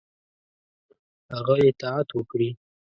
هغه اطاعت وکړي.